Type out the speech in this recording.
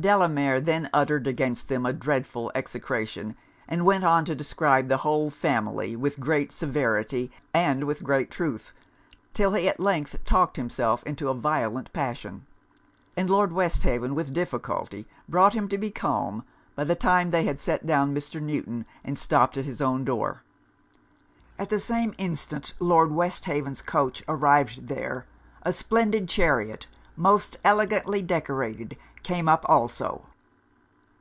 Delamere then uttered against them a dreadful execration, and went on to describe the whole family with great severity and with great truth, 'till he at length talked himself into a violent passion; and Lord Westhaven with difficulty brought him to be calm by the time they had set down Mr. Newton and stopped at his own door. At the same instant Lord Westhaven's coach arrived there, a splendid chariot, most elegantly decorated, came up also.